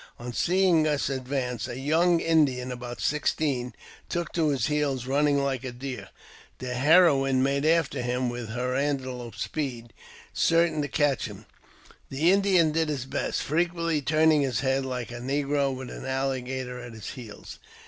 On seeing us advance, a young Indian about sixteen, took to his heels, running like a deer. The heroine made after him with her antelope speed, certain to catch him. The Indian did his best, frequently turning his head, like a negro with an alligator at his heels.